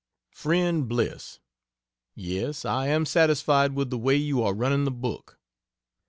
FRIEND BLISS, .... Yes, I am satisfied with the way you are running the book.